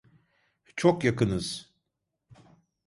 Çok yakınız.